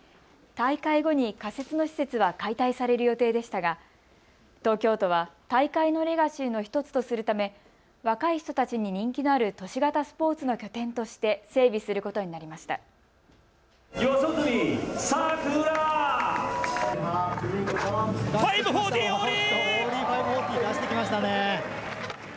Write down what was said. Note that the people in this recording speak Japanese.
大会後に仮設の施設は解体される予定でしたが、東京都は大会のレガシーの１つとするため若い人たちに人気のある都市型スポーツの拠点として整備することになりました。